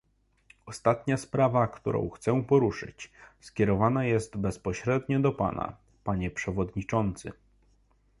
Ostatnia sprawa, którą chcę poruszyć, skierowana jest bezpośrednio do pana, panie przewodniczący